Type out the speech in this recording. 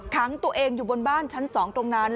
ขังตัวเองอยู่บนบ้านชั้น๒ตรงนั้น